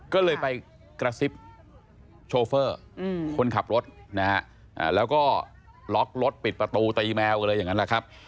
ก็เลยไปกระซิบโชเฟอร์คนขับรถนะฮะแล้วก็ล็อกรถปิดประตูตีแมวกันเลยอย่างนั้นแหละครับ